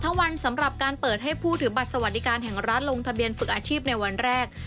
วันสำหรับการเปิดให้ผู้ถือบัตรสวัสดิการแห่งรัฐลงทะเบียนฝึกอาชีพในวันแรก